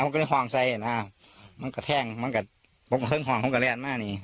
ผมก็ได้ห่องใส่นะมันก็แท่งมันก็ผมก็เคล็นต์ห่องผมก็แรนมากนี่